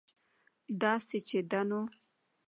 داسې چې ده نو